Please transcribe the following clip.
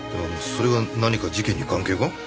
それが何か事件に関係が？